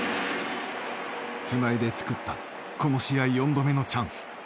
つないで作ったこの試合４度目のチャンス。